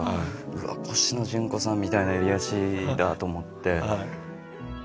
うわっコシノジュンコさんみたいな襟足だと思って。